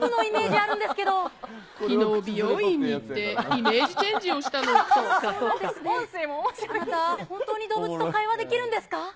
あなた、本当に動物と会話できるんですか？